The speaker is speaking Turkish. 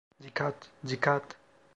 Dikkat dikkat!